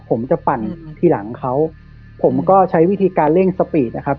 ผมจะปั่นทีหลังเขาผมก็ใช้วิธีการเร่งสปีดนะครับ